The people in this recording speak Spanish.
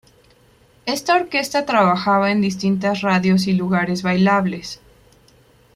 Esta orquesta trabajaba en distintas radios y lugares bailables.